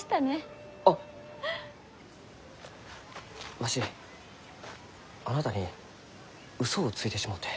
わしあなたに嘘をついてしもうて。